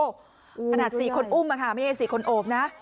ขนาดสี่คนอุ้มอ่ะค่ะไม่ได้สี่คนโอบนะ